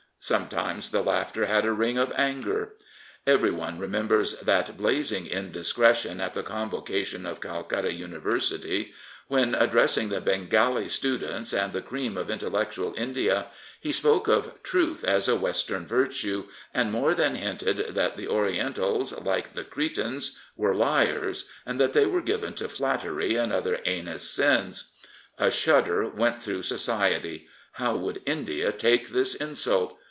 Sometimes the laughter had a ring of anger. Every one remembers that blazing indiscretion at the Con vocation of Calcutta University, when, addressing the Bengali students and the cream of intellectual India, he spoke of truth as a Western virtue, and more than hinted that the Orientals, like the Cretans, were liars, and that they were given to flattery, and other heinous sins. A shudder went through society. How would India take this insult?